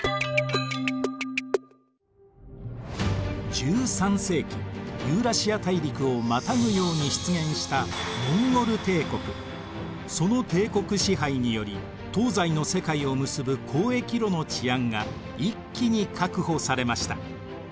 １３世紀ユーラシア大陸をまたぐように出現したその帝国支配により東西の世界を結ぶ交易路の治安が一気に確保されました。